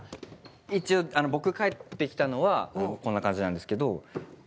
一応僕描いてきたのはこんな感じなんですけど。